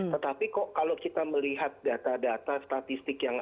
tetapi kok kalau kita melihat data data statistik yang ada